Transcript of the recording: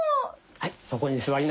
はい。